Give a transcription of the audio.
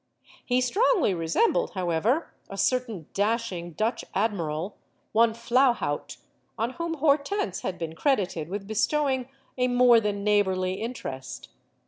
He strongly resembled, however, a certain dashing Dutch admiral, one Flahaut, on whom Hortense had been credited with bestowing a more than neighborly interest.